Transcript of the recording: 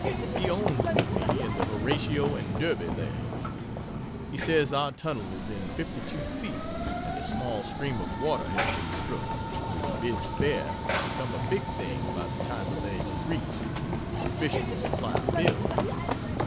He owns with me in the "Horatio and Derby" ledge. He says our tunnel is in 52 feet, and a small stream of water has been struck, which bids fair to become a "big thing" by the time the ledge is reached sufficient to supply a mill.